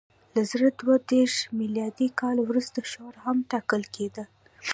له زر دوه دېرش میلادي کال وروسته شورا هم ټاکل کېده.